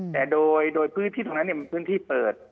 แต่โดยพื้นที่มันเปลี่ยนที่เปิด